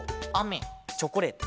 チョコレート。